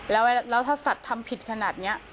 แล้วถ้าสัตว์ทำผิดขนาดนี้